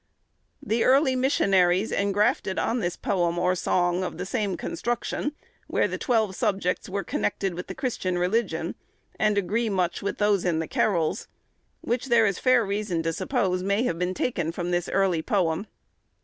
The early missionaries engrafted on this a poem or song of the same construction, where the twelve subjects were connected with the Christian religion, and agree much with those in the carols, which there is fair reason to suppose may have been taken from this early poem.